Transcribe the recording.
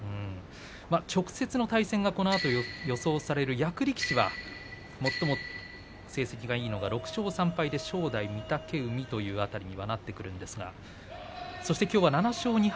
直接の対戦がこのあと予想される役力士が最も成績がいいのが６勝３敗で正代、御嶽海という辺りになってきますがきょうは７勝２敗